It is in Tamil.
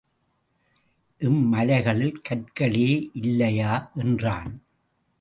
இம்மலைகளில் கற்களே இல்லையா? என்றான்.